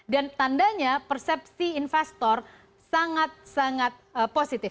dan tandanya persepsi investor sangat sangat positif